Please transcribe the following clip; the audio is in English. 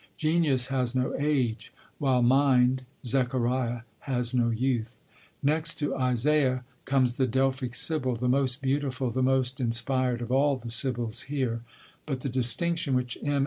Genius has no age, while mind (Zechariah) has no youth. Next to Isaiah comes the Delphic Sibyl, the most beautiful, the most inspired of all the Sibyls here; but the distinction which M.